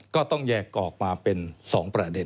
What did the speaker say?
ก็ต้องแยกออกมาเป็น๒ประเด็น